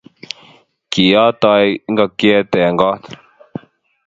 kiotoi ngokyet eng' koot.